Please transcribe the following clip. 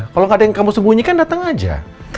kalau gak ada yang kamu sembunyikan datang aja